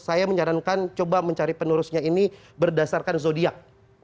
saya menyarankan coba mencari penerusnya ini berdasarkan zodiac